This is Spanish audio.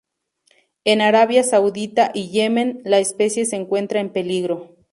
En Arabia Saudita y Yemen la especie se encuentra en peligro.